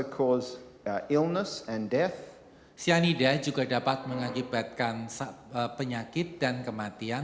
cyanida juga dapat mengakibatkan penyakit dan kematian